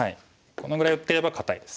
このぐらい打ってれば堅いです。